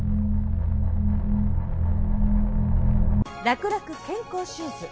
らくらく健康シューズ。